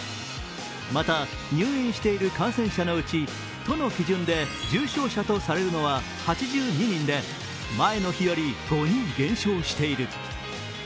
また、入院している感染者のうち都の基準で重症者とされるのは８２人で前の日より５人減少している。